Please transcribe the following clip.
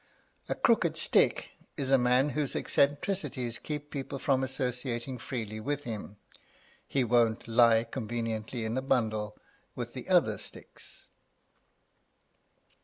A crooked stick is a man whose eccentricities keep people from associating freely with him; he won't lie conveniently in a bundle with the other sticks.